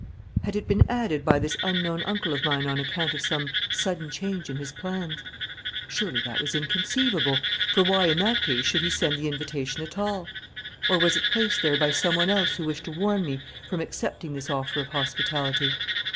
Had it been added by this unknown uncle of mine on account of some sudden change in his plans? Surely that was inconceivable, for why in that case should he send the invitation at all? Or was it placed there by some one else who wished to warn me from accepting this offer of hospitality?